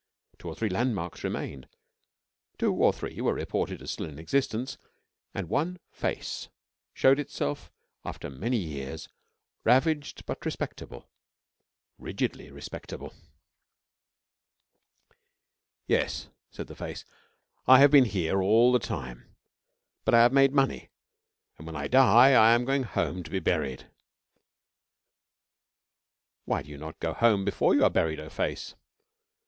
Two or three landmarks remained; two or three were reported as still in existence, and one Face showed itself after many years ravaged but respectable rigidly respectable. 'Yes,' said the Face, 'I have been here all the time. But I have made money, and when I die I am going home to be buried.' 'Why not go home before you are buried, O Face?'